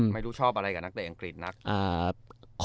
ไม่รู้ชอบอะไรกับนักเตะอังกฤษนัก